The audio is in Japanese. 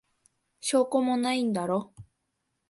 証拠もないんだろ。